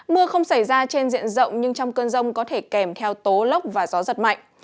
mưa không xảy ra trên diện rộng nhưng trong cơn rông có thể kèm theo tố lốc và gió giật mạnh